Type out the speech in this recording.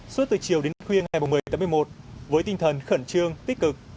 suốt từ chiều đến khuyên ngày một mươi một mươi một với tinh thần khẩn trương tích cực